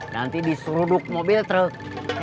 nanti disuruh duk mobil truk